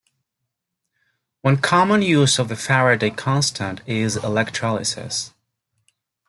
One common use of the Faraday constant is electrolysis.